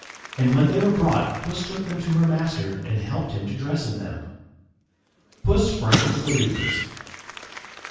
And when they were brought, Puss took them to her master, and helped him to dress in them. _PUSS FRIGHTENS THE REAPERS.